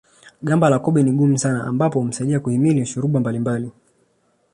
Gamba la kobe ni gumu sana ambapo humsaidia kuhimili shuruba mbalimbali